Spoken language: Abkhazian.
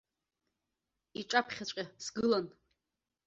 Иҿаԥхьаҵәҟьа сгылан.